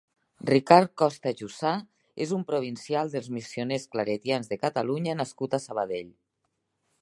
Ricard Costa-Jussà és un provincial dels Missioners Claretians de Catalunya nascut a Sabadell.